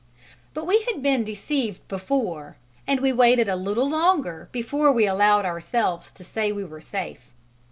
But we had been deceived before, and we waited a little longer before we allowed ourselves to say we were safe.